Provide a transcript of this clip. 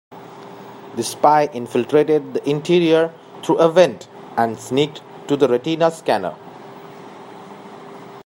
The spy infiltrated the interior through a vent and sneaked to the retina scanner.